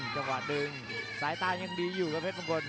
จังหวะดึงสายตายังดีอยู่ครับเพชรมงคล